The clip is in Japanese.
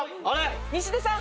西出さん